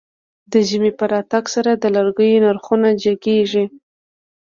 د ژمی په راتګ سره د لرګيو نرخونه جګېږي.